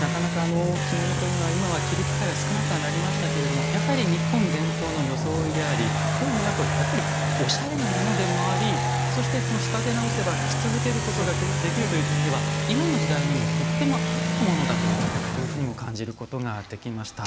なかなか着物というのは今は着る機会は少なくはなりましたけれどもやはり、日本伝統の装いでありきょう見ますとやっぱりおしゃれなものでもありそして、仕立て直せば着続けることができるという点では今の時代にもとても合ったものだというふうに感じることもできました。